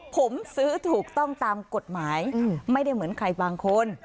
ผมซื้อถูกต้องตามกฎหมายไม่ได้เหมือนใครบางคน